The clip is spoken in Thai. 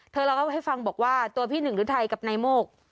เราเล่าให้ฟังบอกว่าตัวพี่หนึ่งฤทัยกับนายโมก